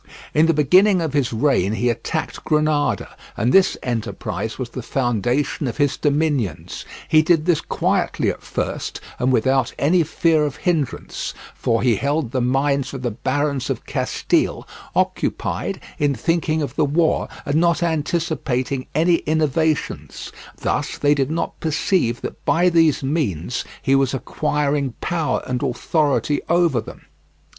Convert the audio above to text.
In the beginning of his reign he attacked Granada, and this enterprise was the foundation of his dominions. He did this quietly at first and without any fear of hindrance, for he held the minds of the barons of Castile occupied in thinking of the war and not anticipating any innovations; thus they did not perceive that by these means he was acquiring power and authority over them.